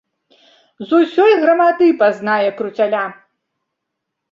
З усёй грамады пазнае круцяля!